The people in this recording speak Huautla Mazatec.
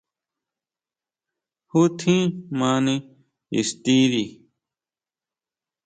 ¿Ju tjín mani ixtiri?